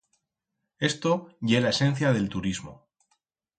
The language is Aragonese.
Esto ye la esencia d'el turismo.